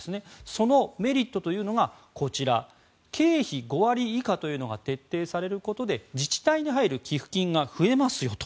そのメリットというのがこちら経費５割以下というのが徹底されることで自治体に入る寄付金が増えますよと。